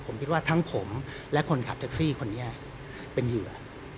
ผมคิดว่าทั้งผมและคนขับแท็กซี่คนนี้เป็นเหยื่อ